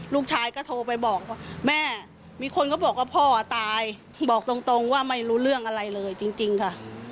ลูกชายก็โทรไปบอกว่าแม่มีคนก็บอกว่าพ่อตายบอกตรงว่าไม่รู้เรื่องอะไรเลยจริงค่ะ